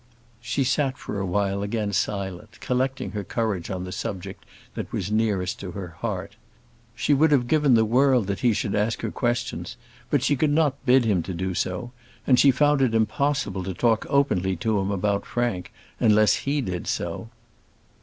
She sat for a while again silent, collecting her courage on the subject that was nearest her heart. She would have given the world that he should ask her questions; but she could not bid him to do so; and she found it impossible to talk openly to him about Frank unless he did so.